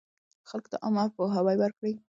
خلکو ته عامه پوهاوی ورکړئ.